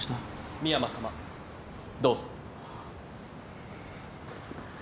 深山さまどうぞ。